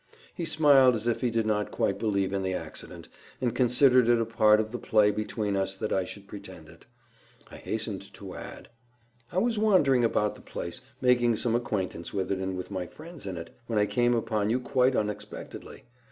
He smiled as if he did not quite believe in the accident, and considered it a part of the play between us that I should pretend it. I hastened to add— "I was wandering about the place, making some acquaintance with it, and with my friends in it, when I came upon you quite unexpectedly.